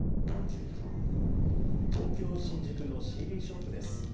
東京新宿のＣＤショップです。